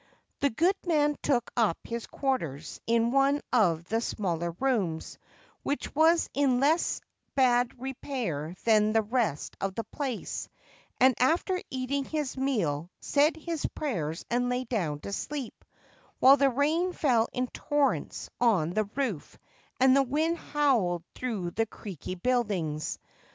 The good man took up his quarters in one of the smaller rooms, which was in less bad repair than the rest of the place ; and, after eating his meal, said his prayers and lay down to sleep, while the rain fell in torrents on the roof and the wind howled through the creaky buildings.